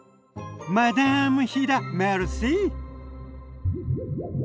マダーム飛田メルシー。